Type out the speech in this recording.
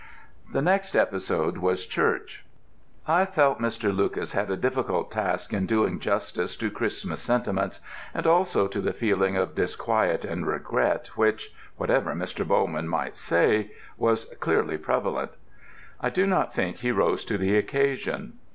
The next episode was church: I felt Mr. Lucas had a difficult task in doing justice to Christmas sentiments, and also to the feeling of disquiet and regret which, whatever Mr. Bowman might say, was clearly prevalent. I do not think he rose to the occasion.